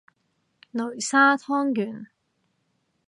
擂沙湯圓